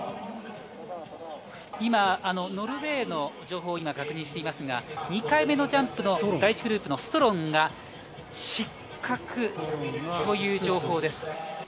今ノルウェーの情報を確認していますが２回目のジャンプの第１グループのストロンが失格という情報です。